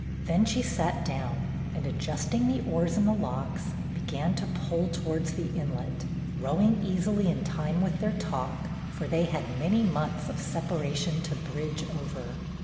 Then she sat down and, adjusting the oars in the locks, began to pull towards the inlet, rowing easily in time with their talk, for they had many months of separation to bridge over.